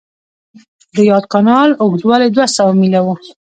د یاد کانال اوږدوالی دوه سوه میله و.